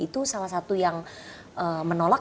itu salah satu yang menolak